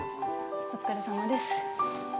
お疲れさまです。